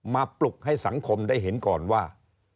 ปลุกให้สังคมได้เห็นก่อนว่า